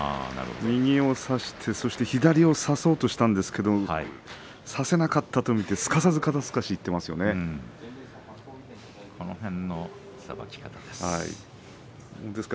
右を差して、そして左を差そうとしたんですけれど差せなかったとみてすかさずその辺のさばき方です。